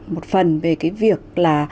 một phần về việc